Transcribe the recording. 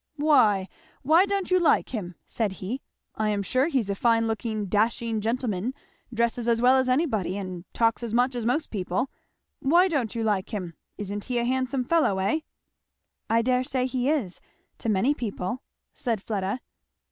"Why, why don't you like him?" said he; "I am sure he's a fine looking dashing gentleman, dresses as well as anybody, and talks as much as most people, why don't you like him? Isn't he a handsome fellow, eh?" "I dare say he is, to many people," said Fleda.